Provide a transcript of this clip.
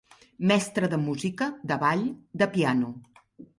Mestre de música, de ball, de piano.